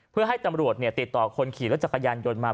เพื่อให้ตำรวจติดต่อคนขี่รถจักรยานยนต์มา